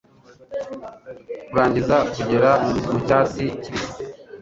kurangiza kugera mucyatsi kibisi